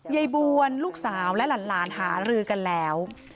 ยายบวนลูกสาวและหลานหารือกันแล้ว